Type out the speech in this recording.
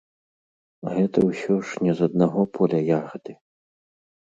Гэта ўсё ж не з аднаго поля ягады.